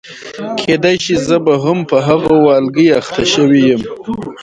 کېدای شي زه به هم په هغه والګي اخته شوې یم.